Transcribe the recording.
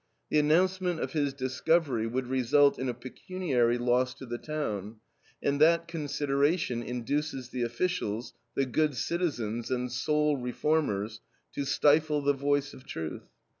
The announcement of his discovery would result in a pecuniary loss to the town, and that consideration induces the officials, the good citizens, and soul reformers, to stifle the voice of truth.